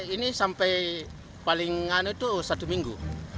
ini sampai paling anu itu satu minggu